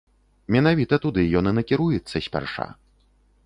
Менавіта туды ён і накіруецца спярша.